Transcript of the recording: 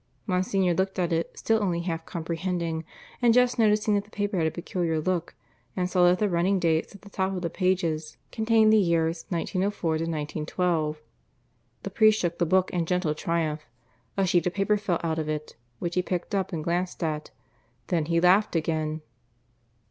Monsignor looked at it, still only half comprehending, and just noticing that the paper had a peculiar look, and saw that the running dates at the top of the pages contained the years 1904 1912. The priest shook the book in gentle triumph. A sheet of paper fell out of it, which he picked up and glanced at. Then he laughed again.